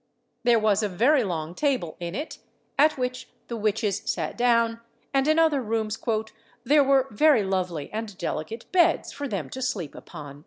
There was a very long table in it, at which the witches sat down; and in other rooms "there were very lovely and delicate beds for them to sleep upon."